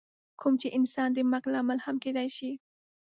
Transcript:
کوم چې انسان د مرګ لامل هم کیدی شي.